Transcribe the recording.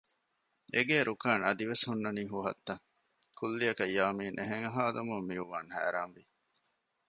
އެގޭ ރުކާން އަދިވެސް ހުންނަނީ ހުހަށްތަ؟ ކުއްލިއަކަށް ޔާމިން އެހެން އަހާލުމުން މިއުވާން ހައިރާންވި